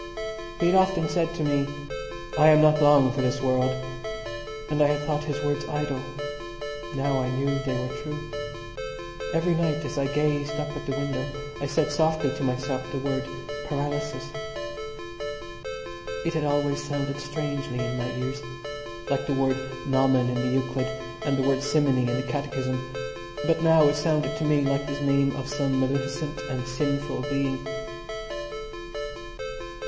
He had often said to me: "I am not long for this world," and I had thought his words idle. Now I knew they were true. Every night as I gazed up at the window I said softly to myself the word paralysis. It had always sounded strangely in my ears, like the word gnomon in the Euclid and the word simony in the Catechism. But now it sounded to me like the name of some maleficent and sinful being.